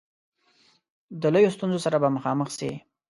د لویو ستونزو سره به مخامخ سي.